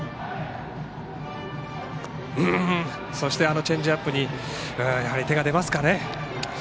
そして、チェンジアップにやはり手が出ますかね。